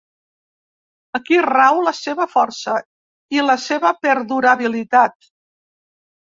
Aquí rau la seva força i la seva perdurabilitat.